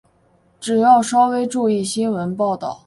只要稍微注意新闻报导